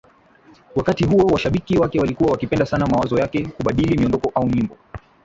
wakati huo Washabiki wake walikuwa wakipenda sana mawazo yake ya kubadili miondoko au nyimbo